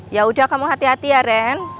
yaudah kamu hati hati ya ren